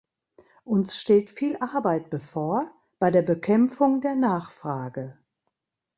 Uns steht viel Arbeit bevor bei der Bekämpfung der Nachfrage.